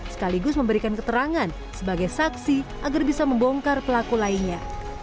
sekaligus memberikan keterangan sebagai saksi agar bisa membongkar pelaku lainnya